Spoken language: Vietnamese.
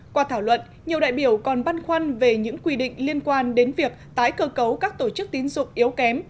qua thảo luận nhiều đại biểu còn băn khoăn về những quy định liên quan đến việc tái cơ cấu các tổ chức tín dụng yếu kém